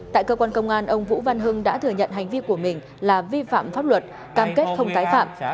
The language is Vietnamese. tại cơ quan công an ông vũ văn hưng đã thừa nhận hành vi của mình là vi phạm pháp luật cam kết không tái phạm